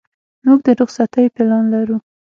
موږ د رخصتۍ پلان لرو.